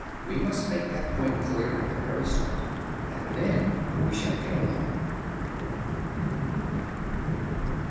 We must make that point clear at the very start, and then we shall get along.